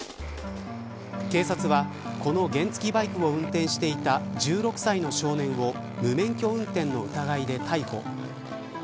警察はこの原付バイクを運転していた１６歳の少年を無免許運転の疑いで逮捕。